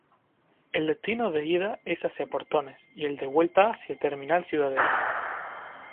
El destino de ida es hacia Portones y el de vuelta hacia Terminal Ciudadela.